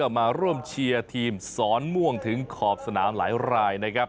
มาร่วมเชียร์ทีมสอนม่วงถึงขอบสนามหลายรายนะครับ